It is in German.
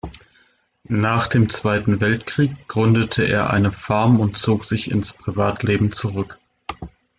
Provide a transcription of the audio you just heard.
Nach dem Zweiten Weltkrieg gründete er eine Farm und zog sich ins Privatleben zurück.